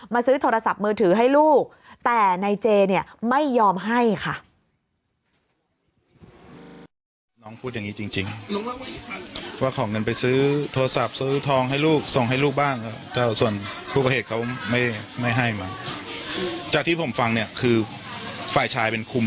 มาซื้อโทรศัพท์มือถือให้ลูกแต่ในเจไม่ยอมให้ค่ะ